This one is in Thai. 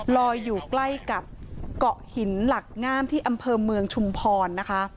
ลอยอยู่ใกล้กับเกาะหินหลักงามที่อำเภอเมืองชุมพรนะคะ